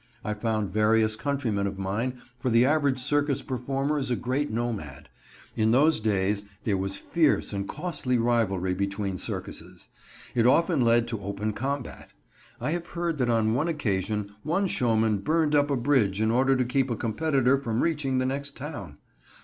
I found various countrymen of mine, for the average circus performer is a great nomad. In those days there was fierce and costly rivalry between circuses. It often led to open combat. I have heard that on one occasion one showman burned up a bridge in order to keep a competitor from reaching the next town.